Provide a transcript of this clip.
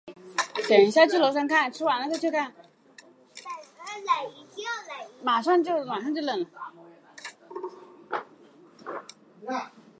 阿船战国时代到江户时代初期的女性。